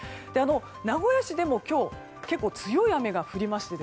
名古屋市でも今日、結構強い雨が降りまして